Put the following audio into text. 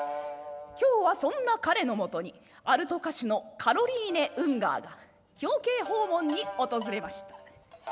今日はそんな彼のもとにアルト歌手のカロリーネ・ウンガーが表敬訪問に訪れました。